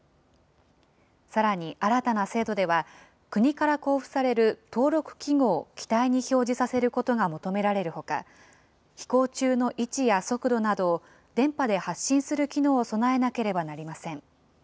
さらに新たな制度では、国から交付される登録記号を機体に表示させることが求められるほか、飛行中の位置や速度などを電波で発信する機能を備えなければなりません。